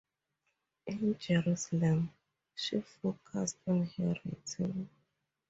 In Jerusalem she focused on her writing.